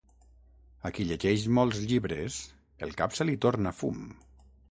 A qui llegeix molts llibres, el cap se li torna fum.